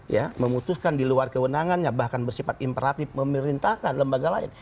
ya memutuskan di luar kewenangannya bahkan bersifat imperatif memerintahkan lembaga lain